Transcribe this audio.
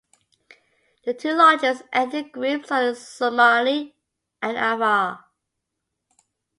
The two largest ethnic groups are the Somali and the Afar.